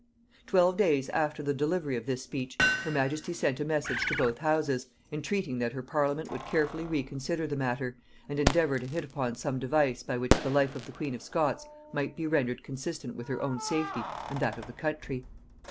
Twelve days after the delivery of this speech, her majesty sent a message to both houses, entreating that her parliament would carefully reconsider the matter, and endeavour to hit upon some device by which the life of the queen of Scots might be rendered consistent with her own safety and that of the country.